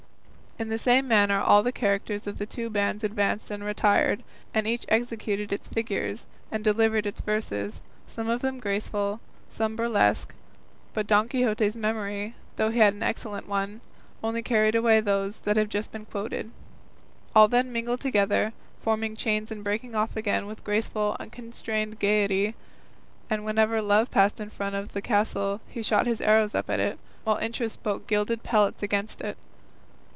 In the same manner all the characters of the two bands advanced and retired, and each executed its figures, and delivered its verses, some of them graceful, some burlesque, but Don Quixote's memory (though he had an excellent one) only carried away those that have been just quoted. All then mingled together, forming chains and breaking off again with graceful, unconstrained gaiety; and whenever Love passed in front of the castle he shot his arrows up at it, while Interest broke gilded pellets against it.